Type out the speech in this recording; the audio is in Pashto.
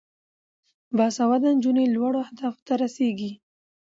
باسواده نجونې لوړو اهدافو ته رسیږي.